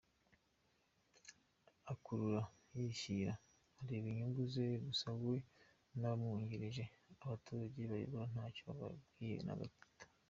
Akurura yishyira areba inyungu ze gusa we nabamwungirije abaturage bayoboye ntacyo bababwiye na gito.